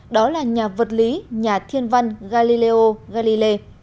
đó là nhà vật lý nhà thiên văn galileo galile